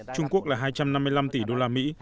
trung quốc là hai trăm năm mươi năm tỷ usd